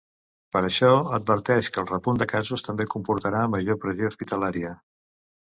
Per això, adverteix que el repunt de casos també comportarà major pressió hospitalària.